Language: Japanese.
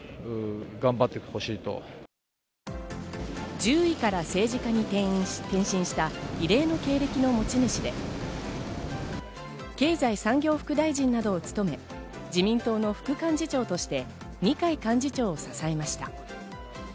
獣医から政治家に転身した異例の経歴の持ち主で経済産業副大臣などを務め自民党の副幹事長として二階幹事長を支えました。